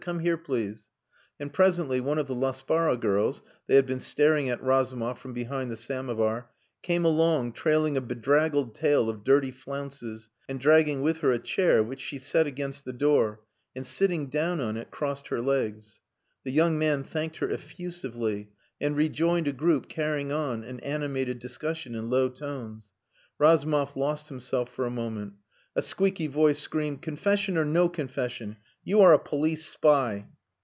come here, please"; and, presently, one of the Laspara girls (they had been staring at Razumov from behind the samovar) came along, trailing a bedraggled tail of dirty flounces, and dragging with her a chair, which she set against the door, and, sitting down on it, crossed her legs. The young man thanked her effusively, and rejoined a group carrying on an animated discussion in low tones. Razumov lost himself for a moment. A squeaky voice screamed, "Confession or no confession, you are a police spy!"